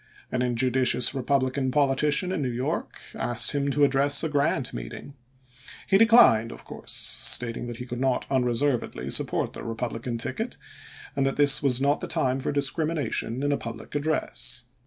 An injudicious Eepublican politician in New York asked him to address a Grant meeting. He declined, of course, stating that he could not unreservedly support the Eepub lican ticket, and that this was not the time for discrimination in a public address.